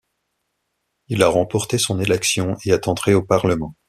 Il a remporté son élection et est entré au Parlement.